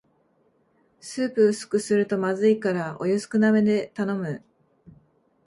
スープ薄くするとまずいからお湯少なめで頼む